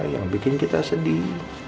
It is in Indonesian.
yang bikin kita sedih